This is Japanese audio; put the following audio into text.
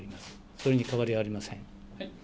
それに変わりはありません。